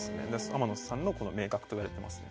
天野さんのこの名角といわれてますね。